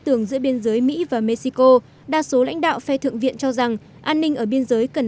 tưởng giữa biên giới mỹ và mexico đa số lãnh đạo phe thượng viện cho rằng an ninh ở biên giới cần